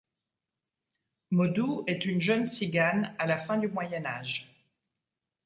Modou est une jeune Tzigane, à la fin du Moyen Âge.